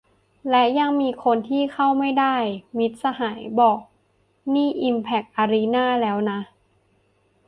และยังมีคนที่เข้าไม่ได้ - มิตรสหายบอกนี่อิมแพคอารีนาแล้วนะ